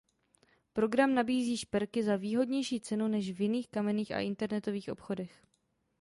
Program nabízí šperky za výhodnější cenu než v jiných kamenných a internetových obchodech.